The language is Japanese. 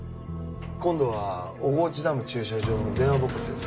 今度は小河内ダム駐車場の電話ボックスです。